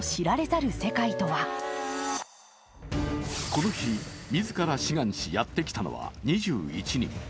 この日、自ら志願し、やってきたのは２１人。